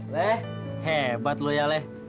le hebat lu ya le